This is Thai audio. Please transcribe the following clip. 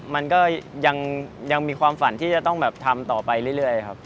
มันก็ยังมีความฝันที่จะต้องแบบทำต่อไปเรื่อยครับ